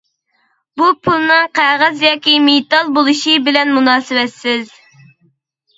بۇ پۇلنىڭ قەغەز ياكى مېتال بولۇشى بىلەن مۇناسىۋەتسىز.